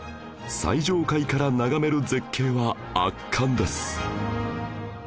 最上階から眺める絶景は圧巻です